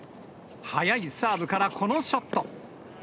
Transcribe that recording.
速いサーブからこのショット。